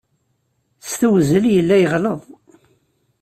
S tewzel, yella yeɣleḍ.